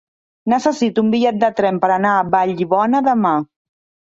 Necessito un bitllet de tren per anar a Vallibona demà.